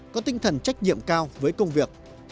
có tinh thần trách nhiệm cao với công việc